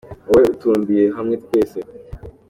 Wowe utubumbiye hamwe twese